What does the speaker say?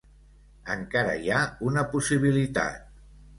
Encara hi ha una possibilitat.